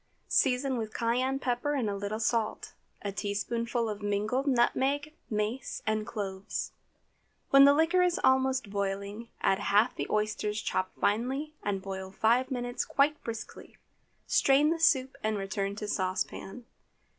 Season with cayenne pepper and a little salt, a teaspoonful of mingled nutmeg, mace, and cloves. When the liquor is almost boiling, add half the oysters chopped finely and boil five minutes quite briskly. Strain the soup and return to saucepan.